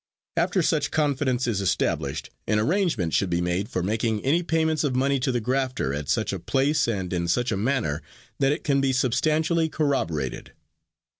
After such confidence is established, an arrangement should be made for making any payments of money to the grafter at such a place and in such a manner that it can be substantially corroborated.